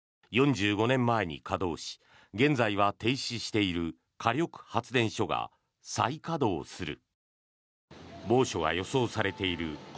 ４５年前に稼働し現在は停止している火力発電所が再稼働する。